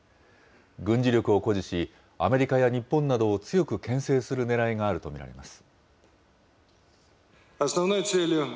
軍事力を誇示し、アメリカや日本などを強くけん制するねらいがあると見られます。